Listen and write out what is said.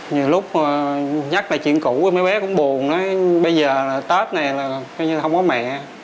nhiều lúc nhắc lại chuyện cũ thì mấy bé cũng buồn nói bây giờ là tết này là không có mẹ